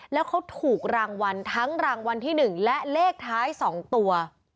แล้วเขาถูกรางวัลทั้งรางวัลที่๑และเลขท้าย๒ตัว